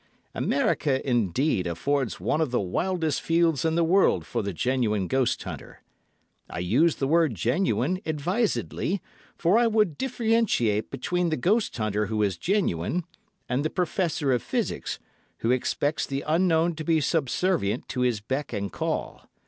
America, indeed, affords one of the wildest fields in the world for the genuine ghost hunter. I use the word genuine advisedly, for I would differentiate between the ghost hunter who is genuine, and the professor of physics, who expects the Unknown to be subservient to his beck and call.